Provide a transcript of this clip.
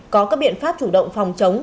có các biện pháp chủ động phòng chống